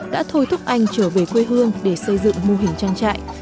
đã thôi thúc anh trở về quê hương để xây dựng mô hình trang trại